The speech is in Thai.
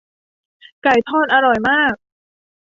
ไก่ทอดอร่อยมาก